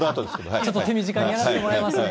ちょっと手短にやらせてもらいますんで。